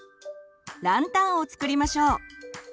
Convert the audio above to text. ランタンを作りましょう。